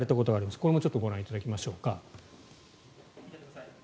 これもちょっとご覧いただきましょうか。